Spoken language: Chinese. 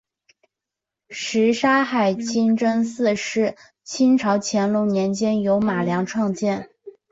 什刹海清真寺是清朝乾隆年间由马良创建。